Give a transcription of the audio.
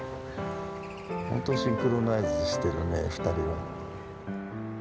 本当にシンクロナイズしてるね２人は。